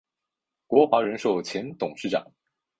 国华人寿前董事长。